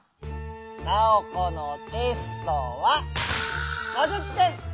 ナオコのテストは５０てん！